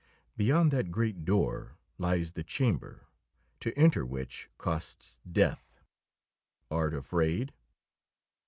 "Beyond that great door lies the chamber to enter which costs death. Art afraid?"